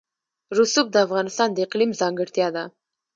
رسوب د افغانستان د اقلیم ځانګړتیا ده.